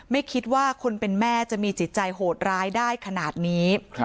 ไม่คิดว่าคนเป็นแม่จะมีจิตใจโหดร้ายได้ขนาดนี้